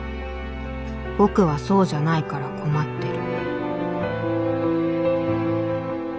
僕はそうじゃないから困ってる」